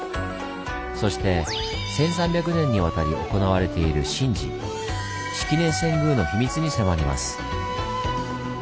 そして１３００年にわたり行われている神事「式年遷宮」の秘密に迫ります！